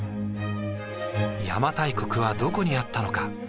邪馬台国はどこにあったのか？